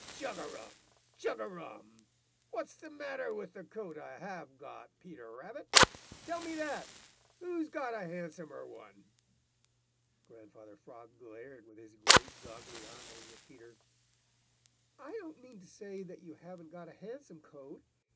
"Chug a rum! Chug a rum! What's the matter with the coat I have got, Peter Rabbit? Tell me that! Who's got a handsomer one?" Grandfather Frog glared with his great, goggly eyes at Peter. "I didn't mean to say that you haven't got a handsome coat.